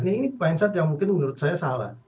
ini mindset yang mungkin menurut saya salah